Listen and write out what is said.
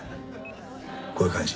こういう感じ。